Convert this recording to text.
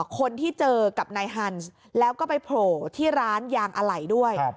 คนที่เจอกับนายฮันส์แล้วก็ไปโผล่ที่ร้านยางอะไหล่ด้วย